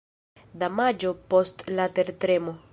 Damaĝo post la tertremo.